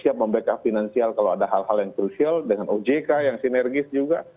siap membackup finansial kalau ada hal hal yang krusial dengan ojk yang sinergis juga